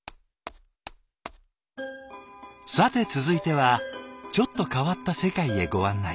さて続いてはちょっと変わった世界へご案内。